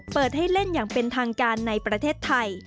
เปิดให้เล่นอย่างเป็นทางการในประเทศไทย